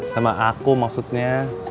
sama aku maksudnya